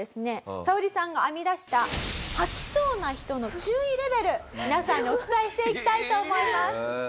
サオリさんが編み出した吐きそうな人の注意レベル皆さんにお伝えしていきたいと思います。